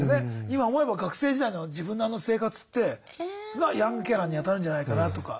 今思えば学生時代の自分のあの生活ってがヤングケアラーに当たるんじゃないかなとか。